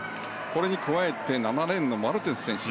これに加えて７レーンのマルテンス選手。